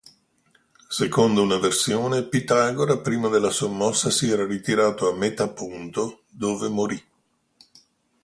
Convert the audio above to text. Secondo una versione, Pitagora prima della sommossa si era ritirato a Metaponto, dove morì.